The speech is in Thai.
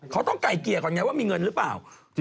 เขาต้องไก่เกลี่ยก่อนไงว่ามีเงินหรือเปล่า